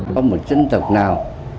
có một dân tộc nào